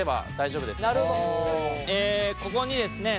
えここにですね